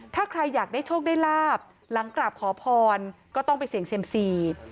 ถ้าใครอยากได้โชคได้ลาบหลังกราบขอพรก็ต้องไปเสี่ยงเซียมซี